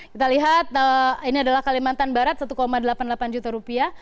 kita lihat ini adalah kalimantan barat satu delapan puluh delapan juta rupiah